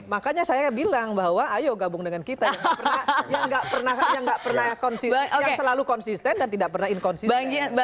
makanya saya bilang bahwa ayo gabung dengan kita yang selalu konsisten dan tidak pernah inkonsisten